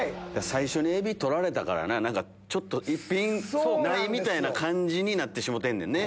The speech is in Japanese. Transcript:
最初にエビ取られたから一品ないみたいな感じになってしもうてんねんね。